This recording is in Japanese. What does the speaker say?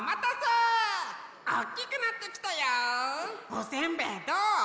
おせんべいどう？